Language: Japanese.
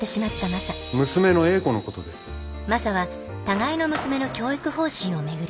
マサは互いの娘の教育方針を巡り